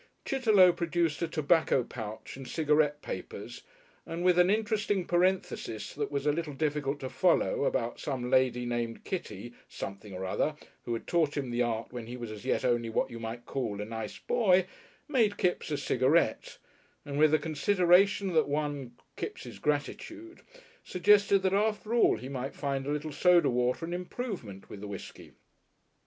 Chitterlow produced a tobacco pouch and cigarette papers and with an interesting parenthesis that was a little difficult to follow about some lady named Kitty something or other who had taught him the art when he was as yet only what you might call a nice boy, made Kipps a cigarette, and with a consideration that won Kipps' gratitude suggested that after all he might find a little soda water an improvement with the whiskey.